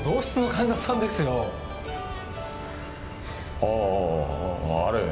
あーああれ？